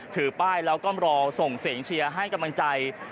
ถือป้ายแล้วก็รอส่งเสียงเชียร์ให้กำลังใจ